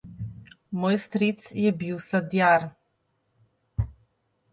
Moj stric je bil sadjar.